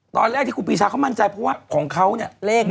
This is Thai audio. ตอนแรกที่ครูปีชาเขามั่นใจเพราะว่าของเขาเนี่ยเลขนี้